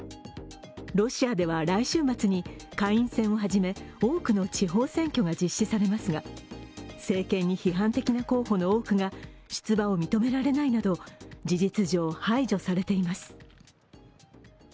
ロシアでは来週末に下院選をはじめ、多くの地方選挙が実施されますが政権に批判的な候補の多くが出馬を認められないなど事実上、排除されています。